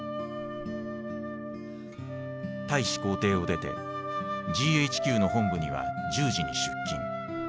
大使公邸を出てＧＨＱの本部には１０時に出勤。